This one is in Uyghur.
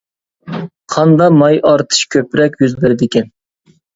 قاندا ماي ئارتىش كۆپرەك يۈز بېرىدىكەن.